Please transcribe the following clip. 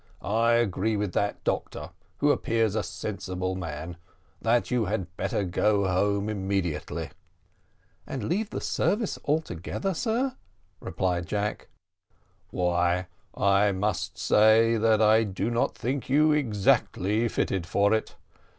I agree with that doctor, who appears a sensible man, that you had better go home immediately." "And leave the service altogether, sir?" replied Jack. "Why, I must say that I do not think you exactly fitted for it.